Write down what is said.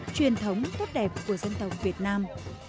truyền thống tốt đẹp của dân tộc việt nam